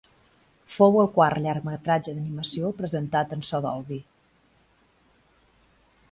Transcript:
Fou el quart llargmetratge d'animació presentat en so Dolby.